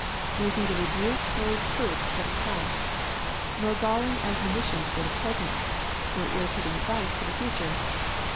There is neither rebuke nor reproof for the past, nor galling admo ^ nitions for the j)resent, nor irritating advice for the future.